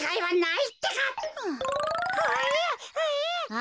あ。